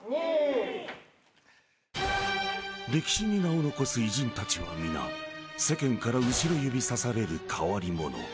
［歴史に名を残す偉人たちは皆世間から後ろ指さされる変わり者］